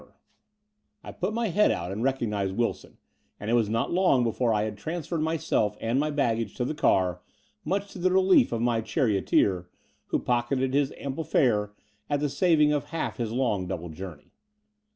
70 The Door of the Unreal I put my head out and recognized Wilson; and it was not long before I had transferred myself and my baggage to the car, much to the relief of my charioteer, who pocketed his ample fare at the saving of half his long double journey.